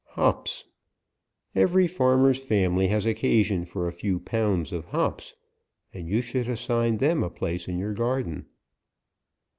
HOPS. Every farmer's family has occasion for a few pounds of hops, and you should assign them a place in your garden.